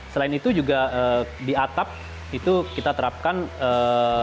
selain itu juga di atap itu kita terapkan ee